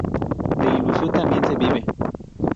De ilusión también se vive